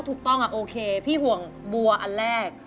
ถูกต้องอะโอเคพี่ห่วงบัวอันแรก